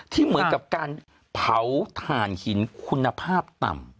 ที่เหมือนกับการเผาถ่านหินคุณภาพต่ำ